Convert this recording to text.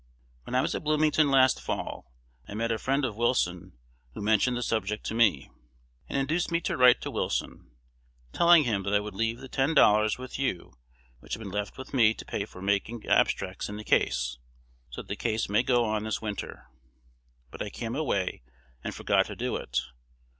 When I was at Bloomington last fall, I met a friend of Wilson, who mentioned the subject to me, and induced me to write to Wilson, telling him that I would leave the ten dollars with you which had been left with me to pay for making abstracts in the case, so that the case may go on this winter; but I came away, and forgot to do it.